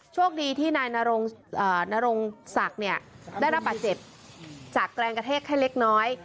โชคดีที่นายนรงศักดิ์ได้รับบาดเจ็บจากแรงกระแทกแค่เล็กน้อย